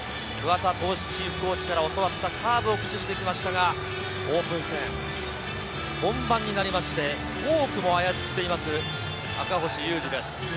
桑田投手チーフコーチから教わったカーブを駆使してきましたがオープン戦、本番になって、フォークも操っている赤星優志です。